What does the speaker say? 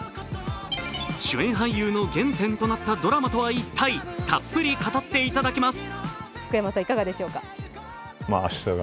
主演俳優の原点となったドラマとは一体たっぷり語っていただきます。